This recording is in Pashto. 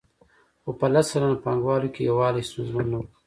خو په لس سلنه پانګوالو کې یووالی ستونزمن نه وو